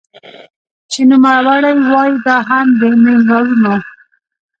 چې نوموړې وايي دا هم د مېنرالونو